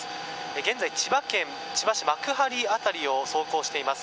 現在、千葉県千葉市幕張辺りを走行しています。